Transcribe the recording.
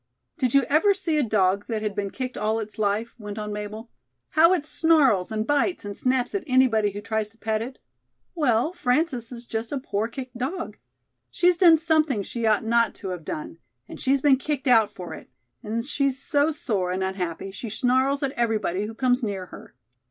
"Did you ever see a dog that had been kicked all its life?" went on Mabel; "how it snarls and bites and snaps at anybody who tries to pet it? Well, Frances is just a poor kicked dog. She's done something she ought not to have done, and she's been kicked out for it, and she's so sore and unhappy, she snarls at everybody who comes near her."